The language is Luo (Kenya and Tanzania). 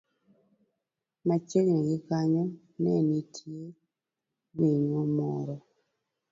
Machiegni gi kanyo, ne nitie winyo moro